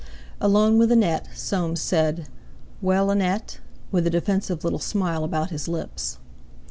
Alone with Annette Soames said, "Well, Annette?" with a defensive little smile about his lips.